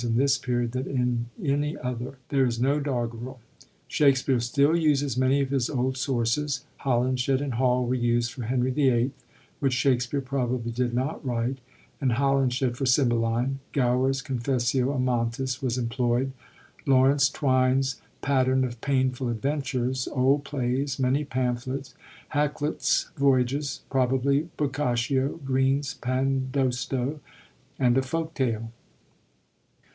in this period than in any other ; there is no doggerel. Shakspere still uses many of his old sources. Holin shed and Hall were used for Henry VIII, ^ which Shakspere probably did not write, and Holinshed for Cymbelme; Gower's Confeaaio Amantia was employd, Laurence Twine's PaMeme of Painfull Adventures, old plays, many pamphlets, Hakluyt's Voyages, prob ably Boccaccio, Greene's Pandosto, and a folk tale.